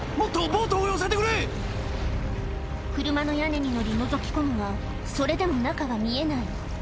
車の屋根に乗りのぞき込むがそれでも中が見えない